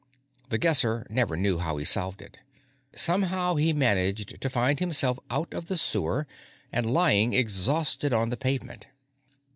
The Guesser never knew how he solved it. Somehow, he managed to find himself out of the sewer and lying exhausted on the pavement.